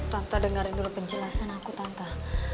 tante dengerin dulu penjelasan aku tante